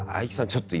ちょっと今」